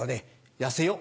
痩せよう！